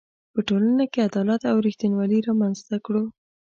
په ټولنه کې عدالت او ریښتینولي رامنځ ته کړو.